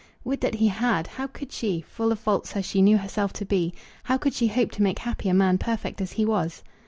Would that he had! How could she, full of faults as she knew herself to be, how could she hope to make happy a man perfect as he was!